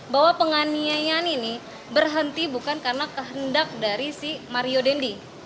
bahwa penganian ini berhenti bukan karena kehenian